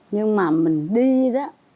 nhưng mà mình đi đó